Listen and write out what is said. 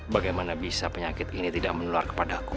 bagaimana bisa penyakit ini tidak menular kepadaku